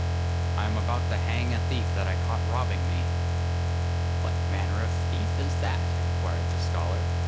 'I am about to hang a thief that I caught robbing me!' 'What manner of thief is that?' inquired the scholar.